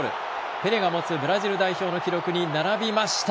ペレが持つブラジル代表の記録に並びました。